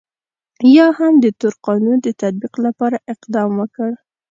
یا هم د تور قانون د تطبیق لپاره اقدام وکړ.